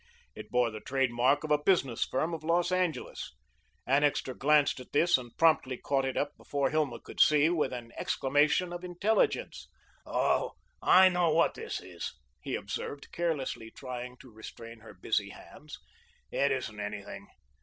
It bore the trade mark of a business firm of Los Angeles. Annixter glanced at this and promptly caught it up before Hilma could see, with an exclamation of intelligence. "Oh, I know what this is," he observed, carelessly trying to restrain her busy hands. "It isn't anything.